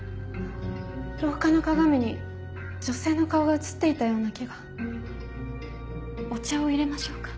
廊下の鏡に女性の顔が映っていたようお茶を入れましょうか？